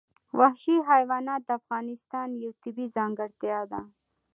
وحشي حیوانات د افغانستان یوه طبیعي ځانګړتیا ده.